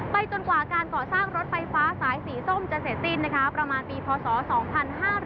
จนกว่าการก่อสร้างรถไฟฟ้าสายสีส้มจะเสร็จสิ้นนะคะประมาณปีพศ๒๕๕๙